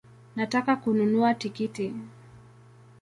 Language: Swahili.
Nataka kununua tikiti